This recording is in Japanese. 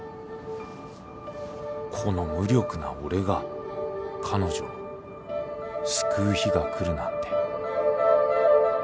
この無力な俺が彼女を救う日が来るなんて。